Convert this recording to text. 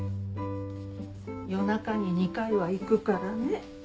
夜中に２回は行くからね。